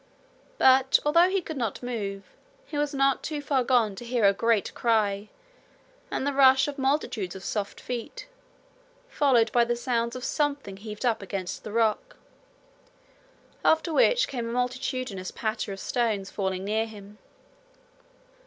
But although he could not move, he was not too far gone to hear her great cry, and the rush of multitudes of soft feet, followed by the sounds of something heaved up against the rock; after which came a multitudinous patter of stones falling near him.